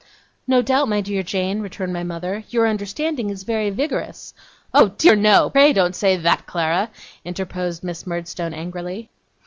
'No doubt, my dear Jane,' returned my mother, 'your understanding is very vigorous ' 'Oh dear, no! Pray don't say that, Clara,' interposed Miss Murdstone, angrily.